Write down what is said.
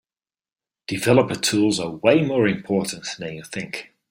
Developer Tools are way more important than you think.